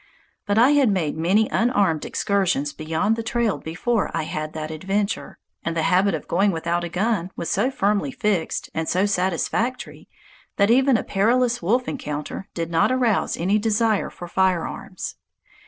But I had made many unarmed excursions beyond the trail before I had that adventure, and the habit of going without a gun was so firmly fixed and so satisfactory that even a perilous wolf encounter did not arouse any desire for firearms.